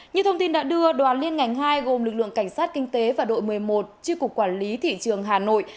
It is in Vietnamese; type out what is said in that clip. như thông tin đã đưa đoàn liên ngành hai gồm lực lượng cảnh sát kinh tế và đội một mươi một tri cục quản lý thị trường hà nội